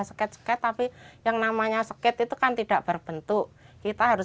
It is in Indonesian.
sket sket tapi yang namanya embarrassment itu kan tidak berbentuk kita harus